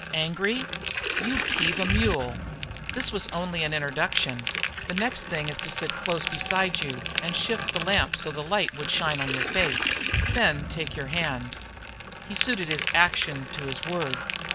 "Angry?" "You'd peeve a mule." "This was only an introduction. The next thing is to sit close beside you and shift the lamp so that the light would shine on your face; then take your hand " He suited his action to his word.